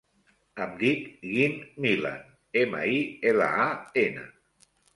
Em dic Guim Milan: ema, i, ela, a, ena.